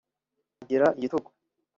Agira igitugu